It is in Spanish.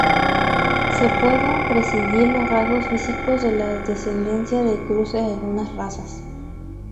Se pueden predecir los rasgos físicos de la descendencia del cruce de algunas razas.